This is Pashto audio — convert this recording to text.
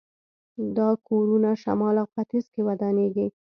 دا کورونه شمال او ختیځ کې ودانېږي.